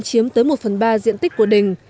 chiếm tới một phần ba diện tích của đình